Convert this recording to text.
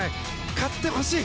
勝ってほしい！